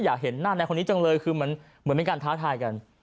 อยากเห็นหน้าในคนนี้จังเลยคือเหมือนเป็นการท้าทายกัน